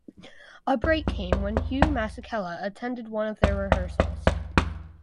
A break came when Hugh Masekela attended one of their rehearsals.